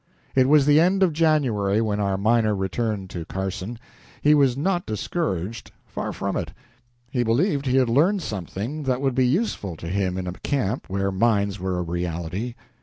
It was the end of January when our miner returned to Carson. He was not discouraged far from it. He believed he had learned something that would be useful to him in a camp where mines were a reality.